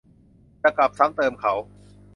จะกลับซ้ำเติมเขา